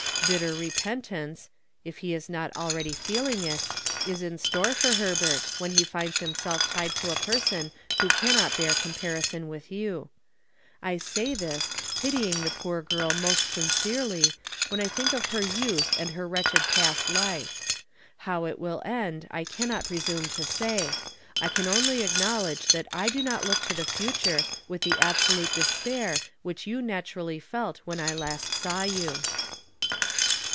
Bitter repentance (if he is not already feeling it) is in store for Herbert, when he finds himself tied to a person who cannot bear comparison with you. I say this, pitying the poor girl most sincerely, when I think of her youth and her wretched past life. How it will end I cannot presume to say. I can only acknowledge that I do not look to the future with the absolute despair which you naturally felt when I last saw you."